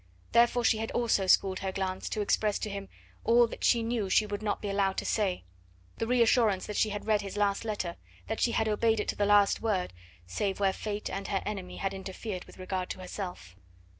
Therefore she had also schooled her glance to express to him all that she knew she would not be allowed to say the reassurance that she had read his last letter, that she had obeyed it to the last word, save where Fate and her enemy had interfered with regard to herself.